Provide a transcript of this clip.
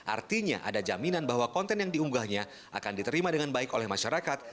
artinya ada jaminan bahwa konten yang diunggahnya akan diterima dengan baik oleh masyarakat